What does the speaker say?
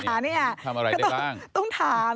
ทำอะไรได้บ้างทำอะไรได้บ้าง